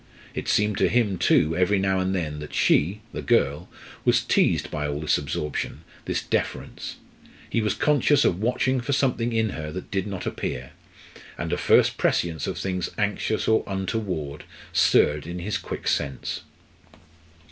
It seemed to him too, every now and then, that she the girl was teased by all this absorption, this deference. He was conscious of watching for something in her that did not appear; and a first prescience of things anxious or untoward stirred in his quick sense.